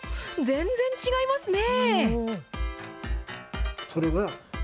全然違いますね。